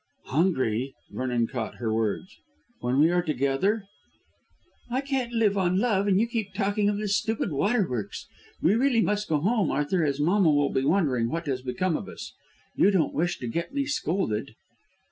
"Hungry?" Vernon caught her hands, "when we are together." "I can't live on love, and you keep talking of this stupid waterworks. We really must go home, Arthur, as mamma will be wondering what has become of us. You don't wish to get me scolded?"